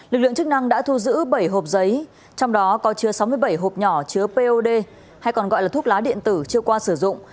lực lượng chức năng đã thu giữ bảy hộp giấy trong đó có chứa sáu mươi bảy hộp nhỏ chứa pod hay còn gọi là thuốc lá điện tử chưa qua sử dụng